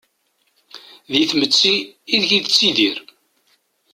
Di tmetti ideg-i yettidir.